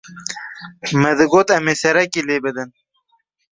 Me digot em ê serekî lê bidin.